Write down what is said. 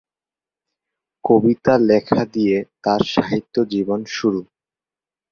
কবিতা লেখা দিয়ে তার সাহিত্য জীবন শুরু।